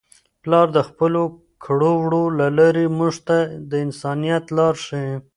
پلار د خپلو کړو وړو له لارې موږ ته د انسانیت لار ښيي.